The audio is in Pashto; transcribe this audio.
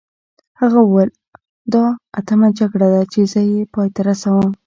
هغه وویل دا اتمه جګړه ده چې زه یې پای ته رسوم.